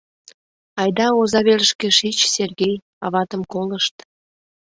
— Айда оза верышке шич, Сергей, аватым колышт.